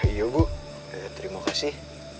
iya bu terima kasih